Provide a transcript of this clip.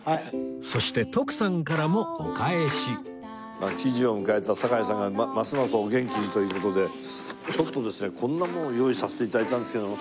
そして徳さんからもお返し喜寿を迎えた堺さんがますますお元気にという事でちょっとですねこんなものを用意させて頂いたんですけども。